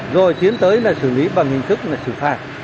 rồi tiến tới là xử lý bằng hình thức là xử phạt